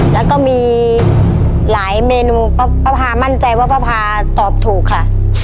แล้วก็มีหลายเมนูป้าพามั่นใจว่าป้าพาตอบถูกค่ะ